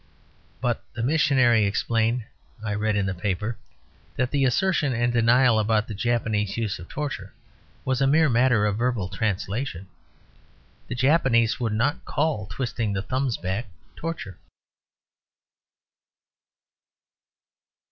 but... the missionary explained (I read in the paper) that the assertion and denial about the Japanese use of torture was a mere matter of verbal translation. "The Japanese would not call twisting the thumbs back 'torture.'"